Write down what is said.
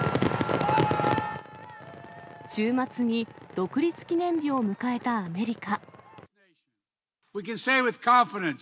週末に独立記念日を迎えたアメリカ。